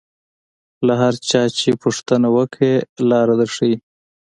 له هر چا چې پوښتنه وکړې لاره در ښیي.